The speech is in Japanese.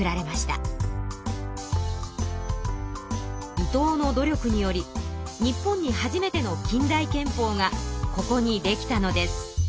伊藤の努力により日本に初めての近代憲法がここにできたのです。